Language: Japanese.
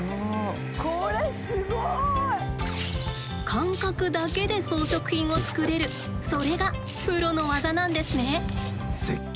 感覚だけで装飾品を作れるそれがプロの技なんですね。